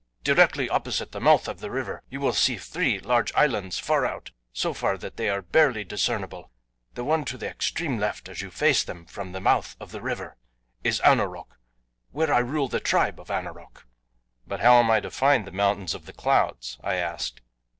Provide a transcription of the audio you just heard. Directly opposite the mouth of the river you will see three large islands far out, so far that they are barely discernible, the one to the extreme left as you face them from the mouth of the river is Anoroc, where I rule the tribe of Anoroc." "But how am I to find the Mountains of the Clouds?" I asked.